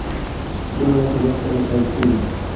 سوله له طبیعت سره پیل کیږي.